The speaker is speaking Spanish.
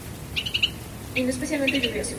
Y no especialmente lluvioso.